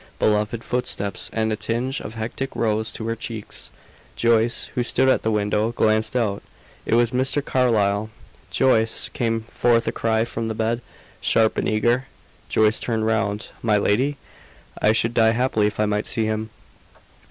Beloved footsteps; and a tinge of hectic rose to her cheeks. Joyce, who stood at the window, glanced out. It was Mr. Carlyle. "Joyce!" came forth a cry from the bed, sharp and eager. Joyce turned round. "My lady?" "I should die happily if I might see him."